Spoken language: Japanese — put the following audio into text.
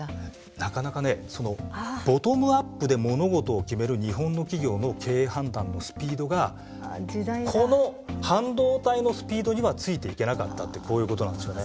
なかなかねボトムアップで物事を決める日本の企業の経営判断のスピードがこの半導体のスピードにはついていけなかったってこういうことなんですよね。